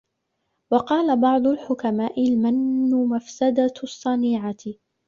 وَقَالَ بَعْضُ الْحُكَمَاءِ الْمَنُّ مَفْسَدَةُ الصَّنِيعَةِ